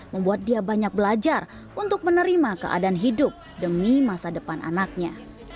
membuat dia banyak belajar untuk menerima keadaan hidup demi masa depan anaknya